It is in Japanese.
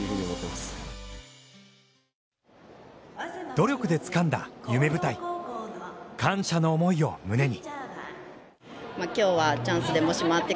努力でつかんだ夢舞台感謝の思いを胸に。